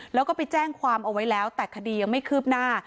แล้วก็ไปแจ้งความเอาไว้แล้วแต่คดียังไม่คืบหน้า